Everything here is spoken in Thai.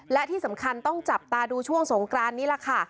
และที่สำคัญต้องจับตาดูช่วงสงกรานนี้แหละค่ะ